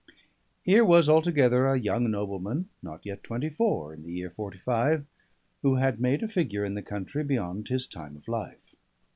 Here was altogether a young nobleman (not yet twenty four in the year 'Forty five) who had made a figure in the country beyond his time of life.